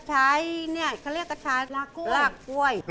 กระชายนี่เขาเรียกกระชายรากกล้วย